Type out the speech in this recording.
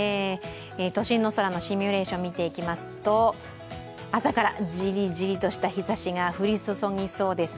都心の空のシミュレーション見ていきますと朝からジリジリとした日ざしが降り注ぎそうです。